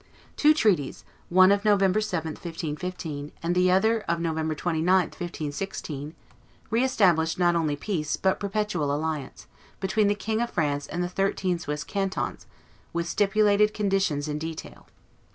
Two treaties, one of November 7, 1515, and the other of November 29, 1516, re established not only peace, but perpetual alliance, between the King of France and the thirteen Swiss cantons, with stipulated conditions in detail.